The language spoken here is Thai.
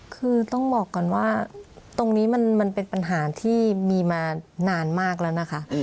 คือต้องบอกก่อนว่าตรงนี้มันเป็นปัญหาที่มีมานานมากแล้วนะคะ